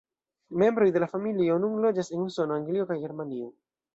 Membroj de la familio nun loĝas en Usono, Anglio kaj Germanio.